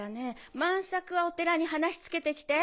万作はお寺に話つけて来て。